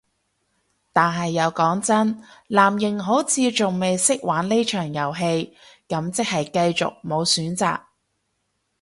但係又講真，藍營好似仲未識玩呢場遊戲，咁即係繼續無選擇